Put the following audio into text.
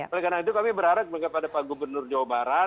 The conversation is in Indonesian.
oleh karena itu kami berharap kepada pak gubernur jawa barat